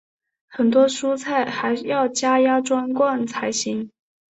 很多蔬菜还要加压装罐才行。